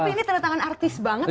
tapi ini ternyata artis banget